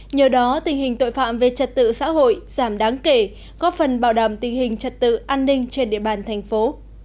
nhờ đó tình hình tội phạm về trật tự xã hội giảm đáng kể góp phần bảo đảm tình hình trật tự an ninh trên địa bàn thành phố